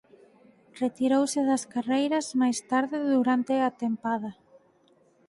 Retirouse das carreiras máis tarde durante a tempada.